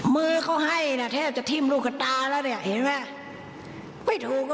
มือเขาให้นะแทบจะทิ้มลูกกระตาแล้วเนี่ยเห็นไหมไม่ถูก